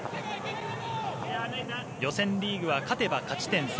予選リーグは勝てば勝ち点３。